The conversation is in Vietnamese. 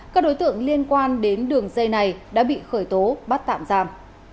các đối tượng liên quan đến đường dây này đã bị khởi tố bắt tạm giam